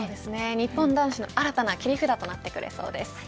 日本男子の新たな切り札となってくれそうです。